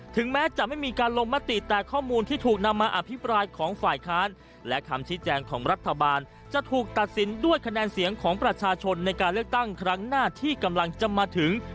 แม้จะไม่มีการลงมติแต่ข้อมูลที่ถูกนำมาอภิปรายของฝ่ายค้านและคำชี้แจงของรัฐบาลจะถูกตัดสินด้วยคะแนนเสียงของประชาชนในการเลือกตั้งครั้งหน้าที่กำลังจะมาถึง